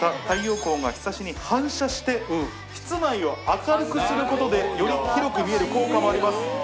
また、太陽光がひさしに反射して、室内を明るくすることで、より広く見える効果もあります。